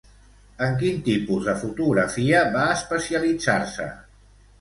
En quin tipus de fotografia va especialitzar-se?